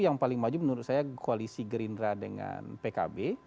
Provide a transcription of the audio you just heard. yang paling maju menurut saya koalisi gerindra dengan pkb